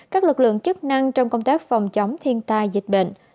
các lực lượng chức năng trong công tác phòng chống thiên tai dịch bệnh